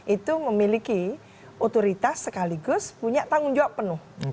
itu memiliki otoritas sekaligus punya tanggung jawab penuh